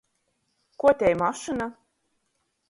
Kuo tei mašyna?